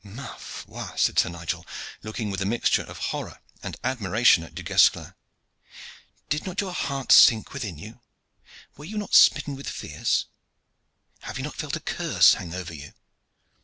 "Ma foi!" said Sir Nigel, looking with a mixture of horror and admiration at Du Guesclin. "Did not your heart sink within you? Were you not smitten with fears? Have you not felt a curse hang over you?"